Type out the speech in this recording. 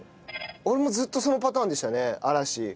俺もずっとそのパターンでしたね嵐。